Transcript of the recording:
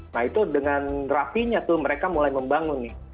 nah itu dengan rapinya tuh mereka mulai membangun nih